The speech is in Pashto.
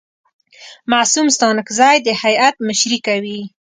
معصوم ستانکزی د هیات مشري کوي.